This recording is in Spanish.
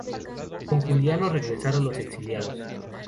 Con Juliano regresaron los exiliados.